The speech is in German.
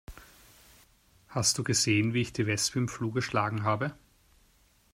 Hast du gesehen, wie ich die Wespe im Flug erschlagen habe?